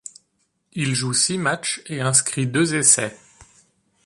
Il joue six matchs et inscrit deux essais.